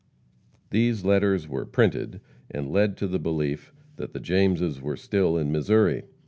These letters were printed, and lead to the belief that the Jameses were still in Missouri.